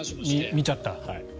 見ちゃった。